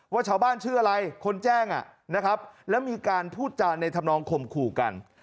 ว่าชาวบ้านชื่ออะไรคนแจ้งนะครับแล้วมีการพูดจานในธรรมนองข่มขู่กัน